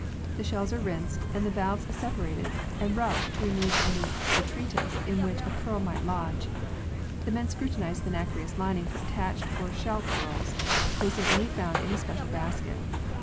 The shells are rinsed, and the valves separated and rubbed to remove any detritus in which a pearl might lodge. The men scrutinize the nacreous lining for attached or shell pearls ; placing any found in a special basket.